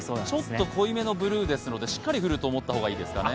ちょっと濃いめのブルーですので、しっかり降ると思ったほうがいいですかね。